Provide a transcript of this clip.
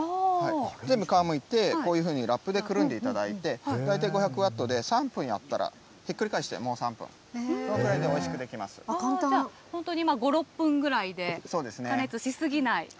全部皮むいて、こういうふうにラップでくるんでいただいて、大体５００ワットで３分やったら、ひっくり返してもう３分、じゃあ本当に５、６分ぐらいで加熱し過ぎない。